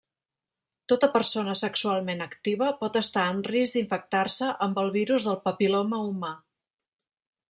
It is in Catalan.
Tota persona sexualment activa pot estar en risc d'infectar-se amb el virus del papil·loma humà.